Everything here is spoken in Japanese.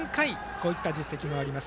こういった実績もあります。